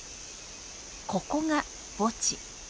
ここが墓地。